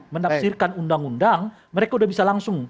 menafsirkan undang undang mereka sudah bisa langsung